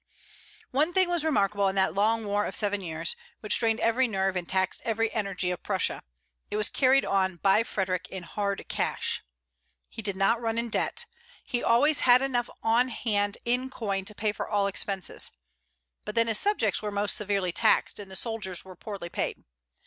One thing was remarkable in that long war of seven years, which strained every nerve and taxed every energy of Prussia: it was carried on by Frederic in hard cash. He did not run in debt; he' always had enough on hand in coin to pay for all expenses. But then his subjects were most severely taxed, and the soldiers were poorly paid.